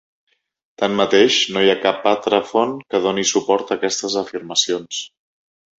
Tanmateix, no hi ha cap altra font que doni suport a aquestes afirmacions.